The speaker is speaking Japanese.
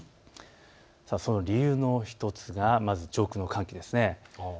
理由の１つが上空の寒気です。